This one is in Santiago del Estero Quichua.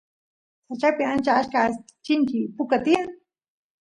sachapi ancha achka chinchi puka tiyan